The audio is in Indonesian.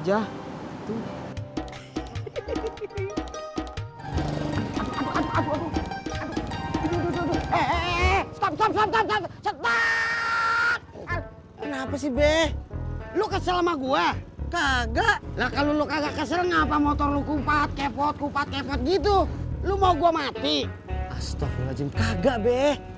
astaghfirullahaladzim kagak be